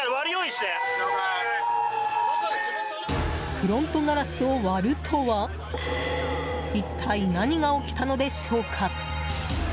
フロントガラスを割るとは一体何が起きたのでしょうか？